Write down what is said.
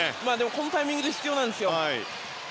このタイミングで必要なんですよ。